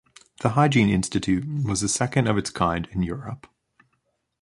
The Hygiene Institute was the second of its kind in Europe.